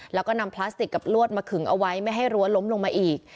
แล้วก็นำพลาสติกกับลวดมาขึงเอาไว้ไม่ให้รั้วล้มลงมาอีก